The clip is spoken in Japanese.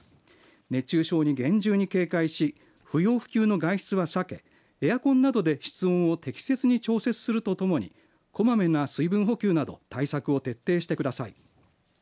熱中症に厳重に警戒し不要不急の外出は避けエアコンなどで室温を適切に調節するとともにこまめな水分補給など対策を徹底してください。